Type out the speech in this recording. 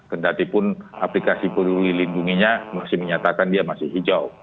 kendatipun aplikasi peduli lindunginya masih menyatakan dia masih hijau